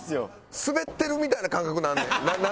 スベってるみたいな感覚になんねんなんか。